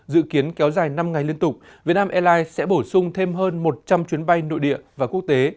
dự kiến kéo dài năm ngày liên tục việt nam airlines sẽ bổ sung thêm hơn một trăm linh chuyến bay nội địa và quốc tế